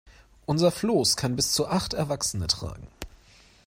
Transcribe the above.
Unser Floß kann bis zu acht Erwachsene tragen.